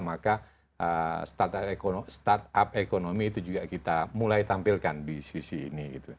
maka startup ekonomi itu juga kita mulai tampilkan di sisi ini